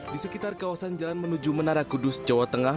di sekitar kawasan jalan menuju menara kudus jawa tengah